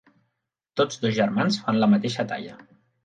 Tots dos germans fan la mateixa talla.